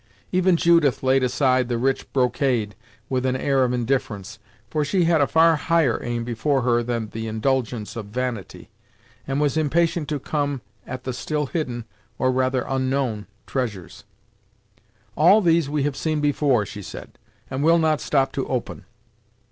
Even Judith laid aside the rich brocade with an air of indifference, for she had a far higher aim before her than the indulgence of vanity, and was impatient to come at the still hidden, or rather unknown, treasures. "All these we have seen before," she said, "and will not stop to open.